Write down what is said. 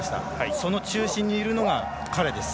その中心にいるのが彼です。